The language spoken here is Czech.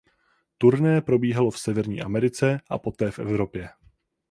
Turné probíhalo v Severní Americe a poté v Evropě.